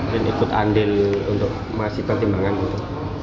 dan ikut andil untuk masih pertimbangan itu